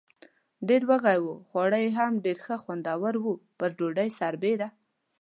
ډېر وږي و، خواړه هم ښه خوندور و، پر ډوډۍ سربېره.